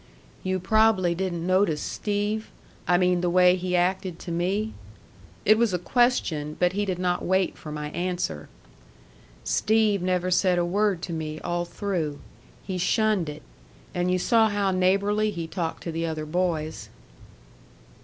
"You prob'ly didn't notice Steve? I mean the way he acted to me?" It was a question, but he did not wait for my answer. "Steve never said a word to me all through. He shunned it. And you saw how neighborly he talked to the other boys."